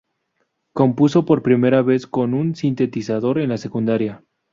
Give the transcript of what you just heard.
Compuso por primera vez con un sintetizador en la secundaria.